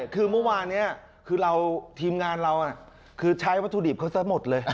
คือเมื่อวานนี้คือเราทีมงานเราคือใช้วัตถุดิบเขาซะหมดเลย